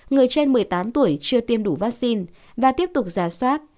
người trên một mươi tám tuổi chưa tiêm đủ vaccine và tiếp tục giả soát